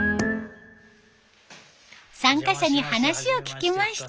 参加者に話を聞きました。